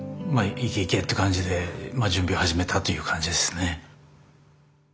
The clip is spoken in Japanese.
行け行けっていう感じで準備を始めたという感じですね。